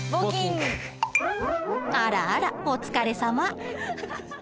あらあらお疲れさま。